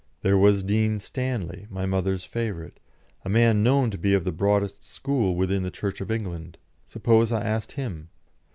There was Dean Stanley, my mother's favourite, a man known to be of the broadest school within the Church of England; suppose I asked him?